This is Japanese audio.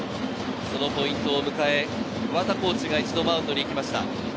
そのポイントを迎え、桑田コーチが一度マウンドに行きました。